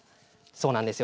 そうなんです。